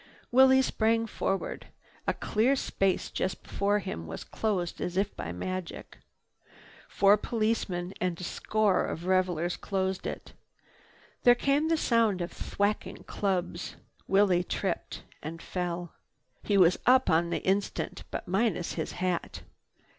Willie sprang forward. A cleared space just before him was closed as if by magic. Four policemen and a score of revelers closed it. There came the sound of thwacking clubs. Willie tripped and fell. He was up on the instant, but minus his hat.